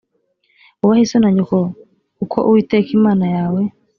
wubahe so na nyoko uko uwiteka imana yawe